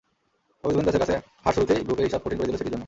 তবে জুভেন্টাসের কাছে হার শুরুতেই গ্রুপের হিসাব কঠিন করে দিল সিটির জন্য।